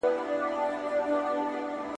هغه هره ورځ دلته کښېني.